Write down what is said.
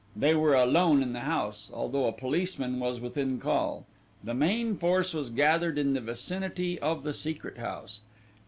They were alone in the house, although a policeman was within call. The main force was gathered in the vicinity of the Secret House.